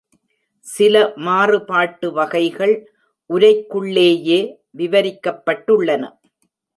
சில மாறுபாட்டுவகைகள் உரைக்குள்ளேயே விவரிக்கப்பட்டுள்ளன.